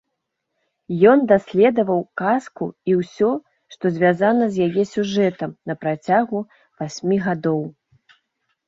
Ён даследаваў казку і ўсё, што звязана з яе сюжэтам, на працягу васьмі гадоў.